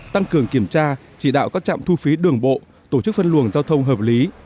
tăng cường kiểm tra chỉ đạo các trạm thu phí đường bộ tổ chức phân luồng giao thông hợp lý